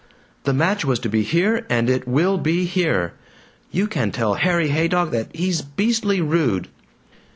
The match was to be here, and it will be here! You can tell Harry Haydock that he's beastly rude!"